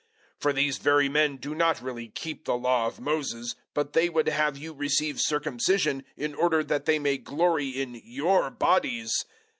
006:013 For these very men do not really keep the Law of Moses, but they would have you receive circumcision in order that they may glory in *your* bodies.